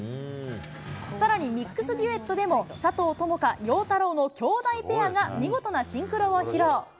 さらにミックスデュエットでも佐藤友花・陽太郎のきょうだいペアが見事なシンクロを披露。